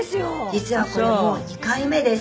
「実はこれもう２回目です」